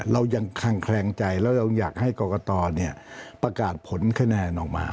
เรายังคังแครงใจและให้กรกฎอประกาศผลคะแนนออกมา